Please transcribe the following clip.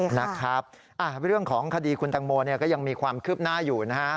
นะครับเรื่องของคดีคุณแตงโมก็ยังมีความคืบหน้าอยู่นะฮะ